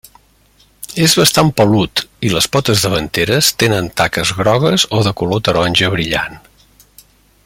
És bastant 'pelut', i les potes davanteres tenen taques grogues o de color taronja brillant.